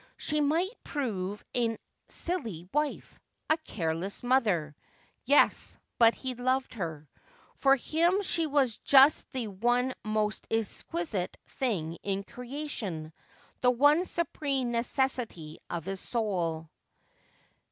She might prove a silly wife, a careless mother. Yes, but he loved her. For him she was just the one most exquisite thing in creation, the one supreme necessity of his soul.